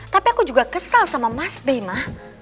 tapi aku juga kesel sama mas b ma